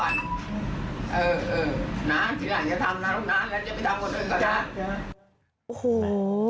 โอ้โห